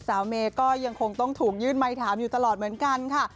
เมย์ก็ยังคงต้องถูกยื่นไมค์ถามอยู่ตลอดเหมือนกันค่ะ